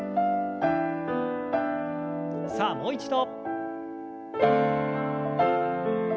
さあもう一度。